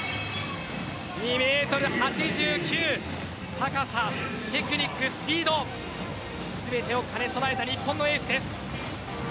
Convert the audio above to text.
２メートル８９高さ、テクニック、スピード全てを兼ね備えた日本のエースです。